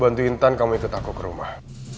bantu intan kamu ikut aku ke rumah